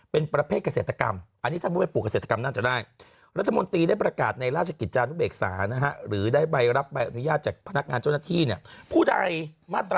เป็นประเภทเกษตรกรรม